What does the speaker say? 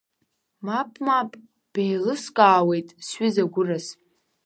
Мап, мап, беилыскаауеит, сҩыза гәыраз!